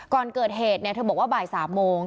ก่อนเกิดเหตุเธอบอกว่าบ่าย๓โมง